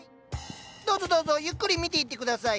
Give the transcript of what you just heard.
どうぞどうぞゆっくり見ていって下さい。